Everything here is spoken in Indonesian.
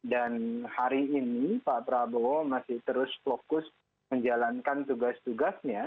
dan hari ini pak prabowo masih terus fokus menjalankan tugas tugasnya